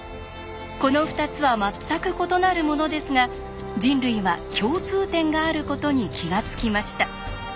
この２つは全く異なるものですが人類は共通点があることに気が付きました。